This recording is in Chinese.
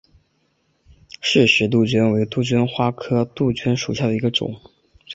饰石杜鹃为杜鹃花科杜鹃属下的一个种。